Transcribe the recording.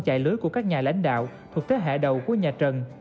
chạy lưới của các nhà lãnh đạo thuộc thế hệ đầu của nhà trần